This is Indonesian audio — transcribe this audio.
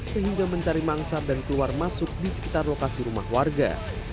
sehingga mencari mangsar dan keluar masuk di sekitar lokasi rumah warga